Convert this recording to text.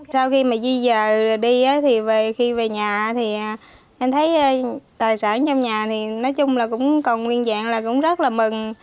sau khi di rời rồi đi khi về nhà em thấy tài sản trong nhà cũng còn nguyên dạng cũng rất mừng